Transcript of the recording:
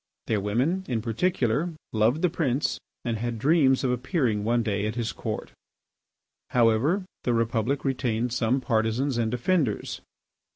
Their women, in particular, loved the Prince and had dreams of appearing one day at his Court. However, the Republic retained some partisans and defenders.